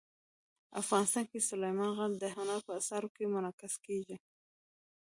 افغانستان کې سلیمان غر د هنر په اثارو کې منعکس کېږي.